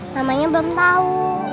namanya belum tau